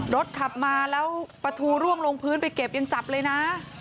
รถขับมาแล้วประทูร่วงลงพื้นไปเก็บยังจับเลยนะ